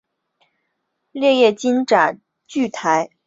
裂叶金盏苣苔为苦苣苔科金盏苣苔属下的一个种。